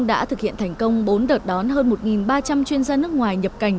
đã thực hiện thành công bốn đợt đón hơn một ba trăm linh chuyên gia nước ngoài nhập cảnh